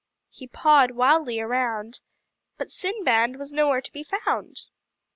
He pawed wildly around, but Sinbad was nowhere to be found.